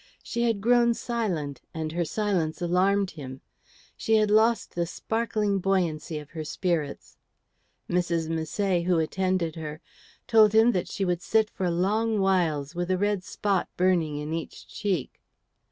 She had grown silent, and her silence alarmed him. She had lost the sparkling buoyancy of her spirits. Mrs. Misset, who attended her, told him that she would sit for long whiles with a red spot burning in each cheek.